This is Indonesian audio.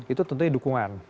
itu tentunya dukungan